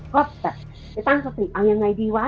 ก็แบบไปตั้งสติเอายังไงดีวะ